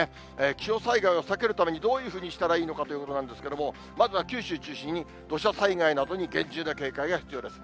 気象災害を避けるためにどういうふうにしたらいいのかということなんですけれども、まずは九州中心に土砂災害などに厳重な警戒が必要です。